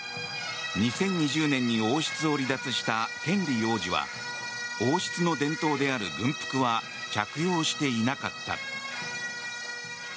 ２０２０年に王室を離脱したヘンリー王子は王室の伝統である軍服は着用していなかった。